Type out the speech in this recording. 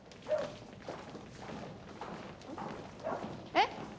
えっ？